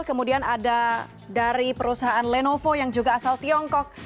kemudian ada dari perusahaan lenovo yang juga asal tiongkok